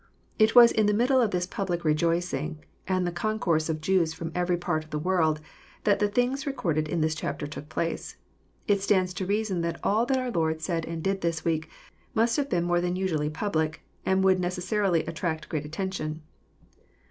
It was in the middle of this public rejoicing, and the con course of Jews from every part of the world, that the things recorded in this chapter took place. It stands to reason that all that our Lord said and did this week must have been more than usually public, and would necessarily attract great atten« tion.